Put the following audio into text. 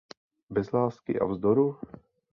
Bez lásky a vzdoru?